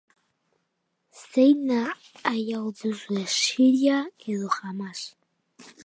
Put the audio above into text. Izendatuta egote hutsa geure buruarekin pozik egoteko modukoa da.